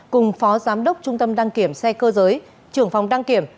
cùng phó giám đốc trung tâm đăng kiểm xe cơ giới trưởng phòng đăng kiểm